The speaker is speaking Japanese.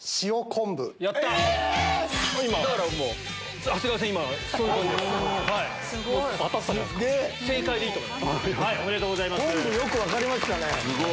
昆布よく分かりましたね。